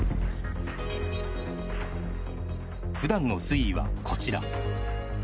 普段の水位は、こちら。